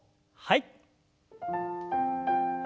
はい。